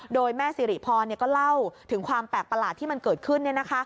โดยแม่สิริพรก็เล่าถึงความแปลกประหลาดที่มันเกิดขึ้น